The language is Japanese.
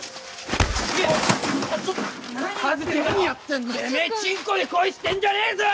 てめぇちんこで恋してんじゃねぇぞ！